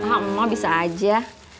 amah bisa aja